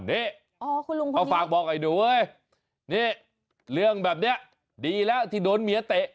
นี่เขาฝากบอกไอ้หนูเอ้ยนี่เรื่องแบบนี้ดีแล้วที่โดนเมียเตะ